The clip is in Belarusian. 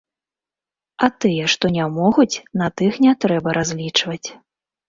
А тыя, што не могуць, на тых не трэба разлічваць.